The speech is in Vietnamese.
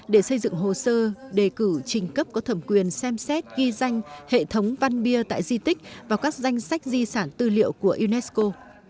để xây dựng hồ sơ đề cử trình cấp có thẩm quyền xem xét ghi danh hệ thống văn bia tại di tích và các danh sách di sản tư liệu của unesco